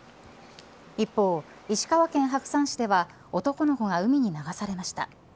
一方、石川県白山市では男の子が海に流されました。